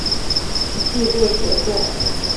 序列写作。